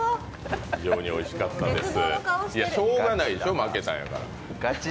非常においしかったです。